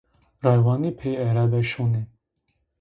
Raywanî pê erebe şonê